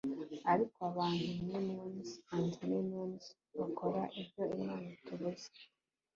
Ariko abantu millions and millions bakora ibyo imana itubuza